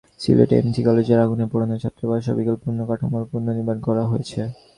Sylhet MC কলেজের আগুনে পোড়ানো ছাত্রাবাস অবিকল পুরোনো কাঠামোয় পুনর্নির্মাণ করা হয়েছে।